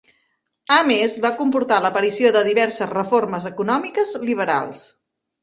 A més, va comportar l'aparició de diverses reformes econòmiques liberals.